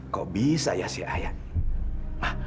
kok bisa ya si ayani